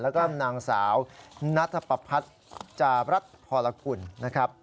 แล้วก็นางสาวนัทปพัฒน์จารัฐพรกุลนะครับ